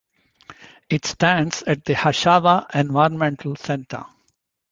It stands at the Hashawha Environmental Center.